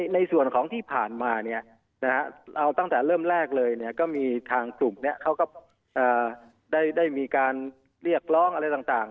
ในส่วนของที่ผ่านมาเราตั้งแต่เริ่มแรกเลยก็มีทางกลุ่มเขาก็ได้มีการเรียกร้องอะไรต่าง